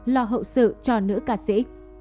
lo hậu sự cho nữ ca sĩ